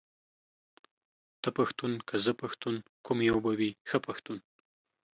ته پښتون که زه پښتون ، کوم يو به وي ښه پښتون ،